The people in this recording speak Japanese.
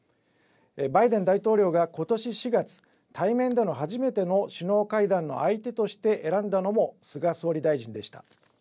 バイデン大統領がことし４月、対面での初めての首脳会談の相手として選んだのも、菅総理大臣でした。